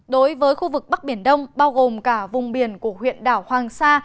đối với khu vực bắc biển đông bao gồm cả vùng biển của huyện đảo hoàng sa